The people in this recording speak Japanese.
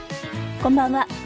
こんばんは。